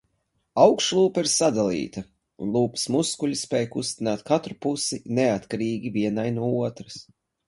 Augšlūpa ir sadalīta, un lūpas muskuļi spēj kustināt katru pusi neatkarīgi vienai no otras.